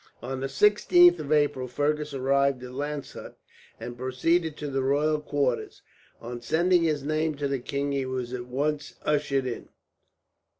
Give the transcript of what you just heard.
On the 16th of April Fergus arrived at Landshut, and proceeded to the royal quarters. On sending his name to the king, he was at once ushered in.